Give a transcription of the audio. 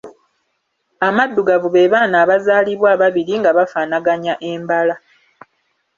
Amaddugavu be baana abazaalibwa ababiri nga bafaanaganya embala.